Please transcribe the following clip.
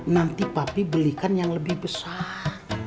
nanti papi belikan yang lebih besar